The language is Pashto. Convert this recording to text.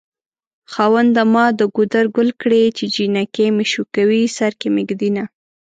خاونده ما د ګودر ګل کړې چې جنکۍ مې شوکوي سر کې مې ږدينه